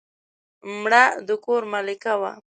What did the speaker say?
مړه د کور ملکه وه